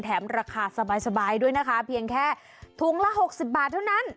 ราคาสบายด้วยนะคะเพียงแค่ถุงละ๖๐บาทเท่านั้น